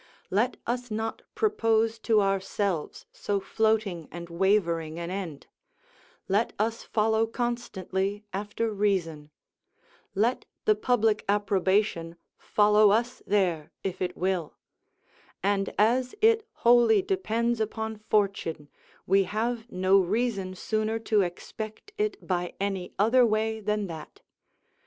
Let us not propose to ourselves so floating and wavering an end; let us follow constantly after reason; let the public approbation follow us there, if it will; and as it wholly depends upon fortune, we have no reason sooner to expect it by any other way than that.